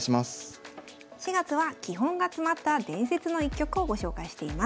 ４月は「基本が詰まった伝説の一局」をご紹介しています。